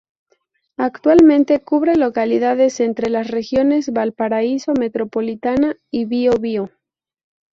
Actualmente cubre localidades entre las regiones Valparaíso, Metropolitana y Bio-bio.